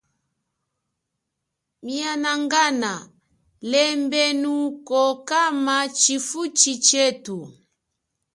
Mianangana lembelenuko kama chifuchi chethu.